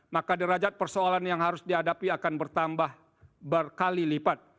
maka derajat persoalan yang harus dihadapi akan bertambah berkali lipat